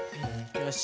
よし。